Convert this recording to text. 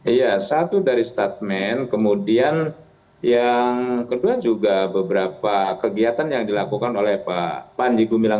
iya satu dari statement kemudian yang kedua juga beberapa kegiatan yang dilakukan oleh pak panji gumilang